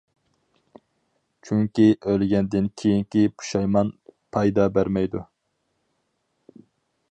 چۈنكى ئۆلگەندىن كېيىنكى پۇشايمان پايدا بەرمەيدۇ.